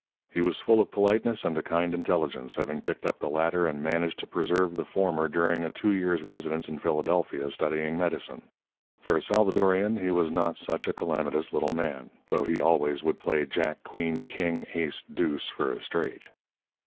He was full of politeness and a kind of intelligence, having picked up the latter and managed to preserve the former during a two years' residence in Philadelphia studying medicine. For a Salvadorian he was not such a calamitous little man, though he always would play jack, queen, king, ace, deuce for a straight.